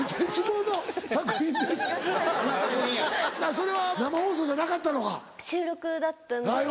それは生放送じゃなかったのか？